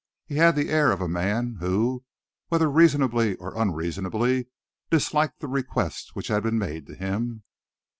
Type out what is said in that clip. He had the air of a man who, whether reasonably or unreasonably, disliked the request which had been made to him.